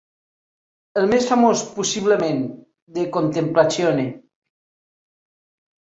El més famós possiblement "De contemplatione".